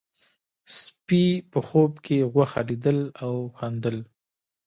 سپي په خوب کې غوښه لیدله او خندل.